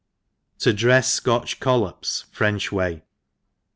To dre/s Scotch Collops the French Way.